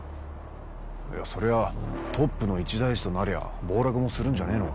いやそりゃトップの一大事となりゃ暴落もするんじゃねえのか？